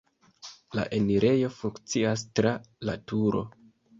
La enirejo funkcias tra laturo.